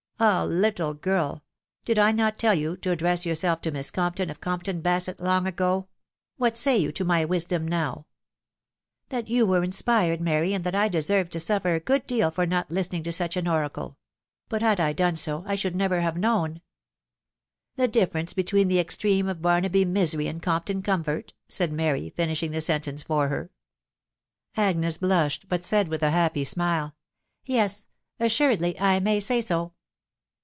Ah, little girl P. ... Did I not tell you to address yourself to Miss Cenrpton, af Comptoa Basett, long ago ? What say you to my wnxfcsjB now}9* Tb*t jovl were inspired, Mary, «r& ta&\ tasx<GBjMa TM WIDOW BABNABY. 431 suffer a good deal far not listening to such an oracle. ... But had I done so,. I should bare never known,* .•."" The diffamte between the extreme of Barnaby misery and Compfcm comfort?" said Mary, finishing the sentence for her. Agnes blushed, but said with a happy smile, " Tes assuredly I may say so."